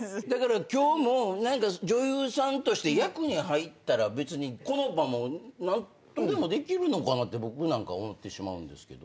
今日も何か女優さんとして役に入ったら別にこの場も何とでもできるのかなって僕なんか思ってしまうんですけど。